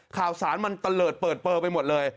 ข่าวสารมันตะเลิศเปิดเปลือไปหมดเลย